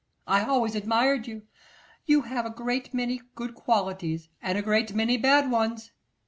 I always admired you; you have a great many good qualities and a great many bad ones.